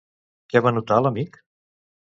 Què va notar l'amic?